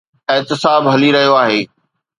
احتساب هلي رهيو آهي.